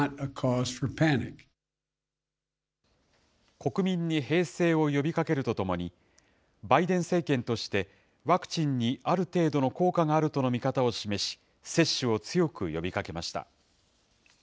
国民に平静を呼びかけるとともに、バイデン政権として、ワクチンにある程度の効果があるとの見方を示し、接種を強く呼びかけました。